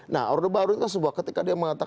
nah orde baru itu sebuah ketika dia mengatakan